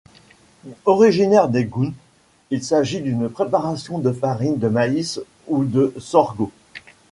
Originaire des Gouns, il s'agit d'une préparation de farine de maïs ou de sorgo.